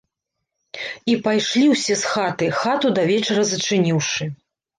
І пайшлі ўсе з хаты, хату да вечара зачыніўшы.